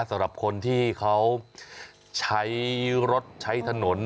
สำหรับคนที่เขาใช้รถใช้ถนน